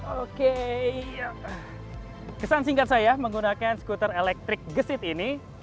oke kesan singkat saya menggunakan skuter elektrik gesit ini